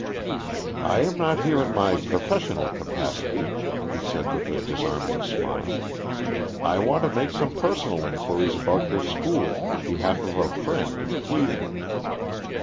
"I am not here in my professional capacity," he said with a disarming smile. "I wanted to make some personal inquiries about your school in behalf of a friend in Cleveland."